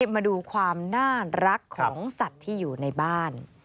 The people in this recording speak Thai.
มาดูความน่ารักของสัตว์ที่อยู่ในบ้าน